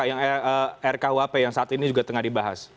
yang rkuhp yang saat ini juga tengah dibahas